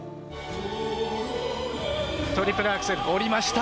トリプルアクセル、降りました。